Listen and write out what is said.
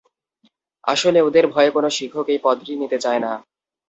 আসলে ওদের ভয়ে কোনো শিক্ষক এই পদটি নিতে চায় না।